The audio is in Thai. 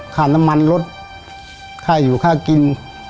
ค่าน้ำมันลดค่าอยู่ค่ากิน